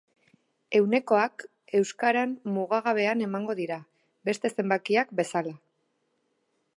Ehunekoak euskaran mugagabean emango dira, beste zenbakiak bezala.